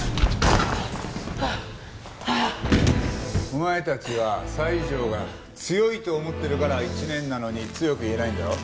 お前たちは西条が強いと思ってるから１年なのに強く言えないんだろ？